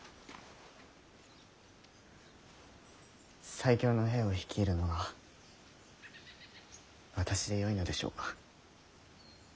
最強の兵を率いるのが私でよいのでしょうか。